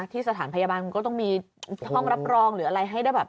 ที่สถานพยาบาลก็ต้องมีห้องรับรองหรืออะไร